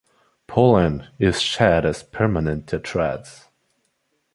Pollen is shed as permanent tetrads.